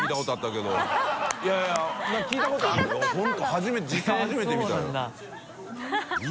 初めて見た。